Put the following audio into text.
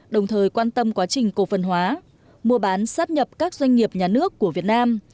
đồng thời quan tâm quá trình cổ phần hóa mua bán sát nhập các doanh nghiệp nhà nước của việt nam